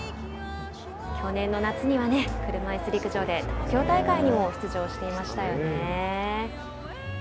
去年の夏にはね車いす陸上で東京大会にも出場していましたよね。